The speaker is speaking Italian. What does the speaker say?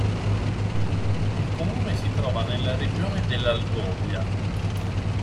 Il comune si trova nella regione dell'Algovia.